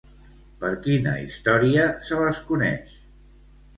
Per quina història se les coneix?